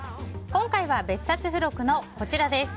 今回は別冊付録のこちらです。